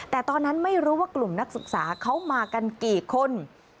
แต่ตอนนั้นไม่รู้ว่ากลุ่มนักศึกษาเขามากันกี่คน